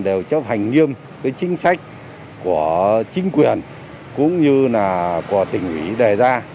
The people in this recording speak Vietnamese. đều chấp hành nghiêm chính sách của chính quyền cũng như là của tỉnh ủy đề ra